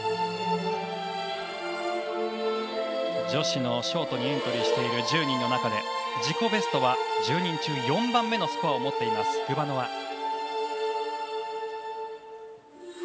女子のショートにエントリーしている１０人の中で自己ベストは１０人中４番目のスコアを持っているグバノワ。